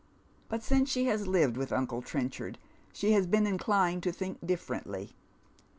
But since she has lived with uncle Trenchard she has been inclined to think differently.